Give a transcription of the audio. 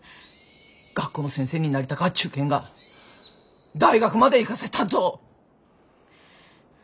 学校の先生になりたかっち言うけんが大学まで行かせたっぞ。